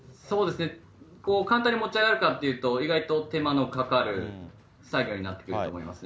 簡単に持ち上がるかというと、意外と手間のかかる作業になってくると思いますね。